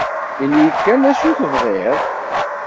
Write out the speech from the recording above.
Ini-yi-d kan d acu tebɣiḍ.